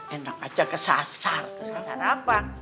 enak aja kesasar kesasar apa